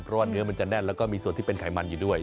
เพราะว่าเนื้อมันจะแน่นแล้วก็มีส่วนที่เป็นไขมันอยู่ด้วย